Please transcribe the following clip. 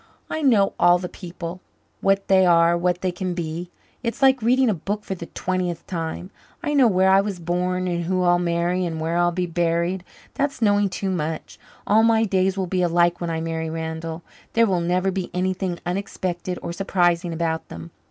"I know all the people what they are what they can be. It's like reading a book for the twentieth time. I know where I was born and who I'll marry and where I'll be buried. That's knowing too much. All my days will be alike when I marry Randall. There will never be anything unexpected or surprising about them.